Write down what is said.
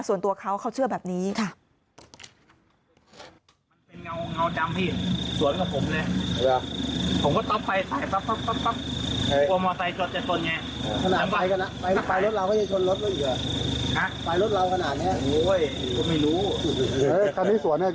ส่วนตัวเขาเขาเชื่อแบบนี้ค่ะ